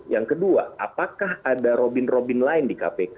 yang kedua apakah ada robin robin lain di kpk